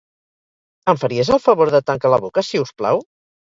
Em faries el favor de tancar la boca, si us plau?